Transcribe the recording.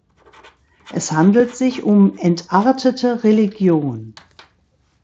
Es handelt sich um entartete Religion.